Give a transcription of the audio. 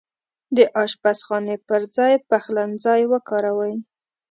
د اشپزخانې پرځاي پخلنځای وکاروئ